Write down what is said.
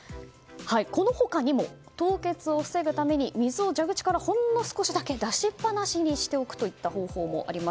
この他にも凍結を防ぐために水を蛇口からほんの少しだけ出しっぱなしにしておくという方法もあります。